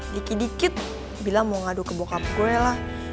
dikit dikit bilang mau ngadu ke bokap gue lah